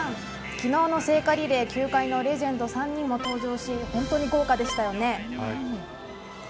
昨日の聖火リレー球界のレジェンド３人も登場し本当に豪華でしたよね。